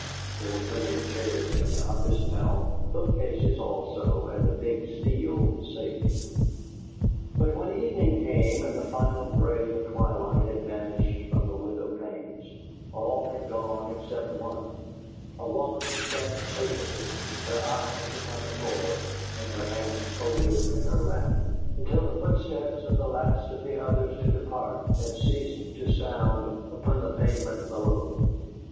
[There were plenty of chairs in the office now, bookcases also, and a big steel safe.] But when evening came and the final gray of twilight had vanished from the window panes, all had gone except one, a woman who sat patiently, her eyes upon the floor, and her hands folded in her lap, until the footsteps of the last of the others to depart had ceased to sound upon the pavement below.